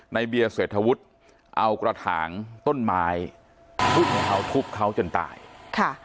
ในเบียร์เศรษฐวุฒิเอากระถางต้นไม้ทุบของเขาทุบเขาจนตายค่ะ